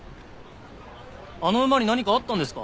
あの馬に何かあったんですか？